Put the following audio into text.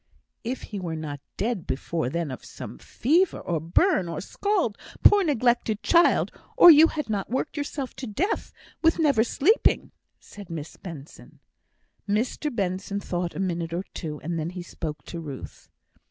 "If he was not dead before then of some fever, or burn, or scald, poor neglected child; or you had not worked yourself to death with never sleeping," said Miss Benson. Mr Benson thought a minute or two, and then he spoke to Ruth.